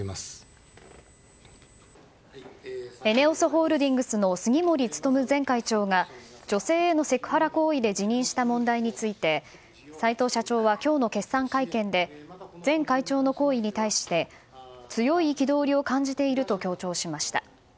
ＥＮＥＯＳホールディングスの杉森務前会長が女性へのセクハラ行為で辞任した問題について齊藤社長は今日の決算会見で前会長の行為に対して強い憤りを感じていると強調しました。